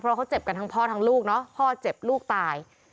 เพราะเขาเจ็บกันทั้งพ่อทั้งลูกเนอะพ่อเจ็บลูกตาย